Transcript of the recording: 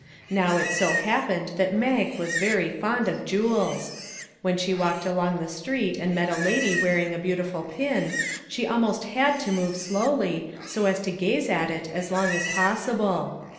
Now it so 70 RAISINS " happened that Mag was very fond of jewels; when she walked along the street and met a lady wearing a beautiful pin, she almost had to move slowly so as to gaze at it as long as possi ble.